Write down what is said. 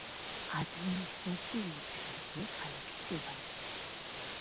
ადმინისტრაციული ცენტრია ქალაქი სევალიოსი.